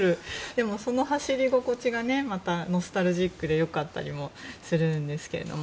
でも、その走り心地がノスタルジックで良かったりもするんですけど。